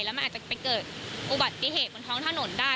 แล้วมันอาจจะไปเกิดอุบัติเหตุบนท้องถนนได้